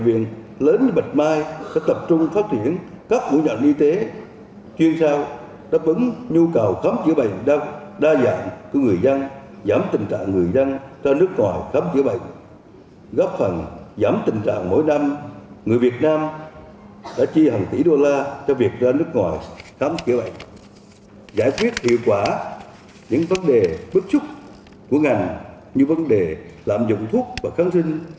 bộ y tế cần giải quyết hiệu quả những vấn đề bức trúc của ngành như vấn đề lạm dụng thuốc và kháng sinh